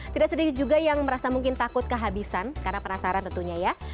tidak sedikit juga yang merasa mungkin takut kehabisan karena penasaran tentunya ya